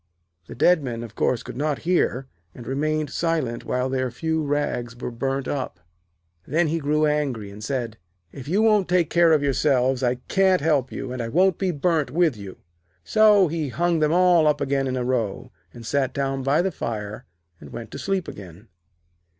The dead men, of course, could not hear, and remained silent while their few rags were burnt up. Then he grew angry, and said: 'If you won't take care of yourselves, I can't help you, and I won't be burnt with you.' So he hung them all up again in a row, and sat down by the fire and went to sleep again.